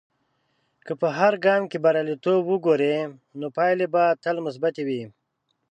که په هر ګام کې بریالیتوب وګورې، نو پایلې به تل مثبتي وي.